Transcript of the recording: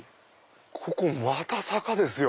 ここまた坂ですよ。